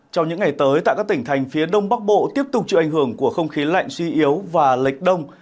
trong những ngày tới tại các tỉnh thành phía đông bắc bộ tiếp tục chịu ảnh hưởng của không khí lạnh suy yếu và lệch đông